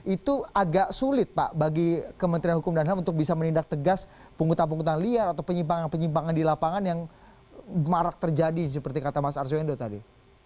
itu agak sulit pak bagi kementerian hukum dan ham untuk bisa menindak tegas penghutang penghutang liar atau penyimpangan penyimpangan di lapangan yang marak terjadi seperti kata mas arzwendo tadi